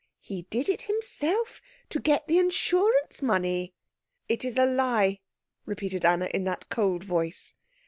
"He did it himself to get the insurance money." "It is a lie," repeated Anna, in that cold voice.